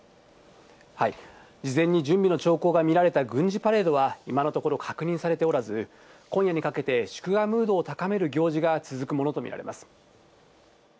事前に準備の兆候が見られた軍事パレードは、今のところ確認されておらず、今夜にかけて、祝賀ムードを高める行事が続くものと見られます。